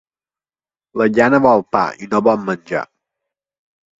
La gana vol pa i no bon menjar.